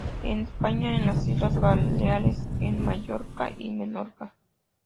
En España en las Islas Baleares en Mallorca y Menorca.